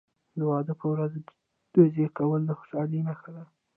د واده په ورځ ډزې کول د خوشحالۍ نښه ده.